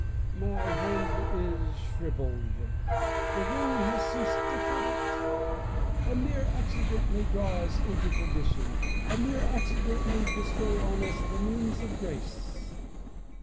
My hand is shrivelled : the ring has ceased to fit it. A mere accident may draw us into perdition ; a mere accident may bestow on us the means of grace.